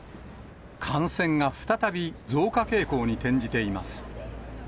感染が再び増加傾向に転じています。